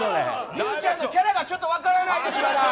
りゅうちゃんのキャラがちょっと分からないんで。